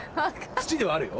土ではあるよ。